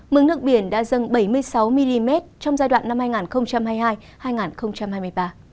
mức nước biển đã dâng bảy mươi sáu mm trong giai đoạn năm hai nghìn hai mươi hai hai nghìn hai mươi ba